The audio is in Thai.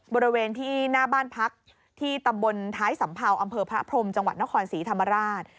บริเวณที่หน้าบ้านพักที่ตำบลท้ายสัมเภาอำเภอพระพรมจังหวัดนครศรีธรรมราช